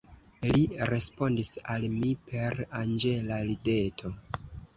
Li respondis al mi per anĝela rideto.